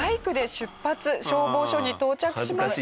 消防署に到着しました。